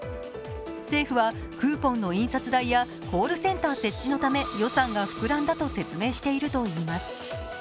政府はクーポンの印刷代やコールセンター設置のため予算が膨らんだと説明しているといいます。